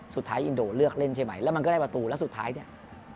สุดท้ายอินโดเลือกเล่นใช่ไหมแล้วมันก็ได้ประตูแล้วสุดท้ายเนี่ย